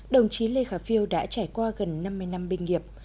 đồng chí lê khả phiêu đã trải qua gần năm mươi năm binh nghiệp